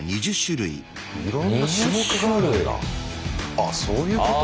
あそういうこと？